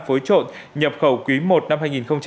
phối trộn nhập khẩu quý một năm